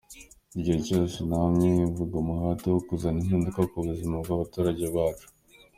Igihe cyose namye ni yumvamo umuhate wo kuzana impinduka ku buzima bw’abaturage bacu”.